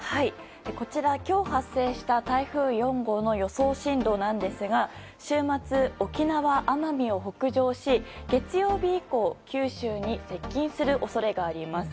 こちら今日発生した台風４号の予想進路ですが週末沖縄、奄美を北上し月曜日以降九州に接近する恐れがあります。